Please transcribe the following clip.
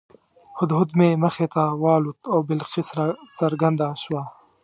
هدهد مې مخې ته والوت او بلقیس راڅرګنده شوه.